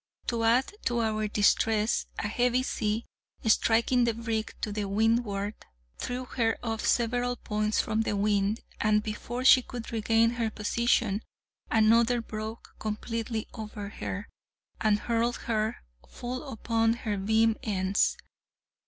To add to our distress, a heavy sea, striking the brig to the windward, threw her off several points from the wind, and, before she could regain her position, another broke completely over her, and hurled her full upon her beam ends.